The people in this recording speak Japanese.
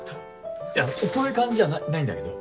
いやそういう感じじゃなないんだけど。